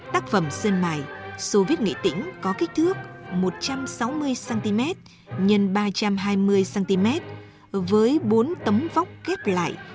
tác phẩm sơn mài soviet nghệ tĩnh có kích thước một trăm sáu mươi cm x ba trăm hai mươi cm với bốn tấm vóc kép lại